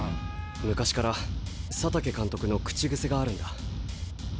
昔から佐竹監督の口癖があるんだ。